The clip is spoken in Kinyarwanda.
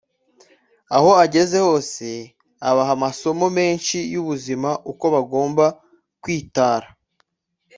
aho ageze hose abaha amasomo meshi yubuzima uko bagomba kwitara